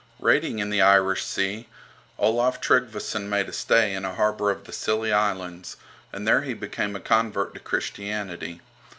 Raiding in the Irish Sea, Olaf Tryggveson made a stay in a harbour of the Scilly Islands, and there he became a convert to Christianity.